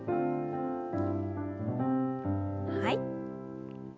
はい。